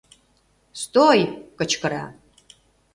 — Стой! — кычкыра.